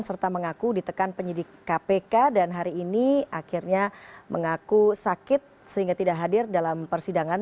serta mengaku ditekan penyidik kpk dan hari ini akhirnya mengaku sakit sehingga tidak hadir dalam persidangan